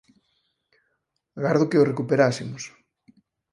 agardo que o recuperásemos